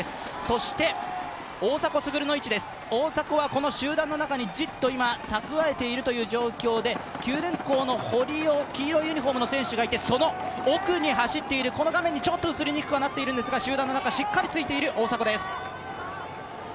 そして、大迫傑の位置です、大迫はこの集団の中にじっと蓄えているという状況で九電工の堀尾、黄色いユニフォームの選手がいて、その奥に走っている、画面には映りにくくなっていますが、しっかり、ついている大迫です。